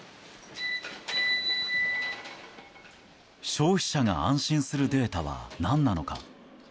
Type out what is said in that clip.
消費者が安心するデータは何なのか。